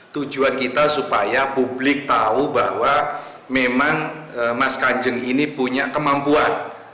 tujuan kita supaya publik tahu bahwa memang mas kanjeng ini punya kemampuan